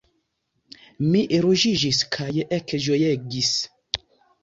Mi ruĝiĝis kaj ekĝojegis.